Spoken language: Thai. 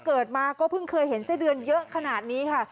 เกิดมาก็เพิ่งเคยเห็นไส้เดือนเยอะขนาดนี้ค่ะ